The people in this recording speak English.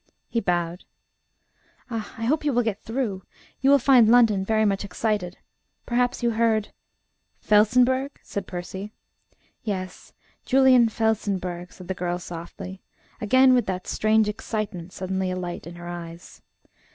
He bowed. "Ah! I hope you will get through. You will find London very much excited. Perhaps you heard " "Felsenburgh?" said Percy. "Yes. Julian Felsenburgh," said the girl softly, again with that strange excitement suddenly alight in her eyes.